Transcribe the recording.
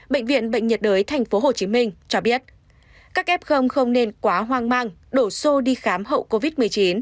bệnh viện bệnh nhiệt đới tp hcm cho biết các f không nên quá hoang mang đổ xô đi khám hậu covid một mươi chín